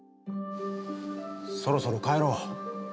そろそろ帰ろう。